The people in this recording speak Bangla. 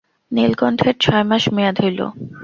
নীলকণ্ঠের ছয় মাস মেয়াদ হইল।